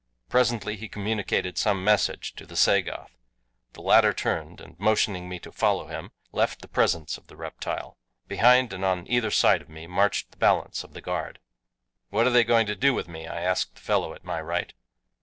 Presently he communicated some message to the Sagoth. The latter turned, and motioning me to follow him, left the presence of the reptile. Behind and on either side of me marched the balance of the guard. "What are they going to do with me?" I asked the fellow at my right.